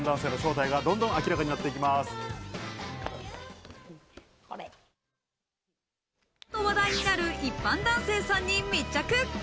最近何かと話題になる、一般男性さんに密着。